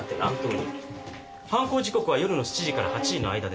犯行時刻は夜の７時から８時の間です。